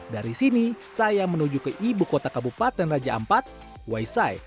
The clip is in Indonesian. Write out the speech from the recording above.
dari sini saya menuju ke ibu kota kabupaten raja ampat waisai